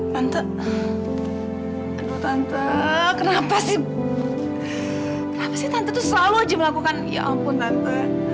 tante aduh tante kenapa sih kenapa sih tante tuh selalu aja melakukan ya ampun tante